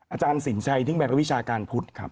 อาจารย์สินชัยทิศแมนความวิชาการพุทธ